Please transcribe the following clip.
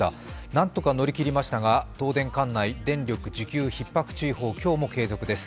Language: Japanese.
何とか乗りきりましたが、東電管内電力需給ひっ迫注意報、今日も継続です。